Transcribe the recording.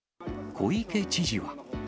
小池知事は。